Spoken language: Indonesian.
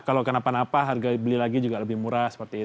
kalau kenapa napa harga beli lagi juga lebih murah seperti itu